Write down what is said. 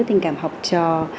tình cảm học trò